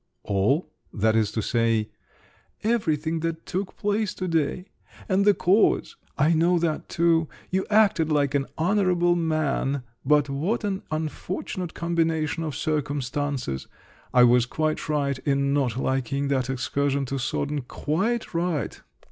"All? that is to say?" "Everything that took place to day! And the cause … I know that too! You acted like an honourable man; but what an unfortunate combination of circumstances! I was quite right in not liking that excursion to Soden … quite right!"